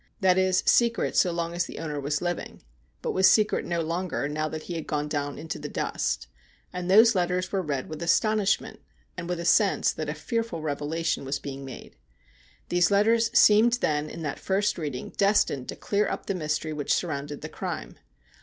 That is, secret so long as the owner was living, but was secret no longer now that he had gone down into the dust. And those letters were read with astonishment, and with a sense that a fearful revelation was being made. These letters seemed then in that first reading destined to clear up the mystery which surrounded the crime.